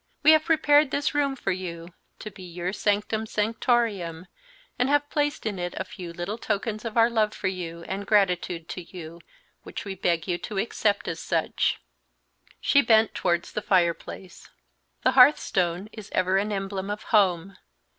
We have prepared this room for you, to be your sanctum sanctorum, and have placed in it a few little tokens of our love for you and gratitude to you, which we beg you to accept as such." She bent towards the fireplace. "The hearthstone is ever an emblem of home.